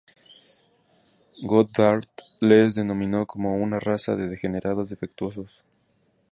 Goddard les denominó como "una raza de degenerados defectuosos".